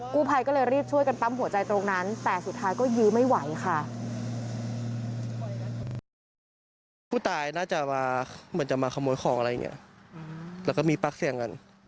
กู้ภัยก็เลยรีบช่วยกันปั้มหัวใจตรงนั้น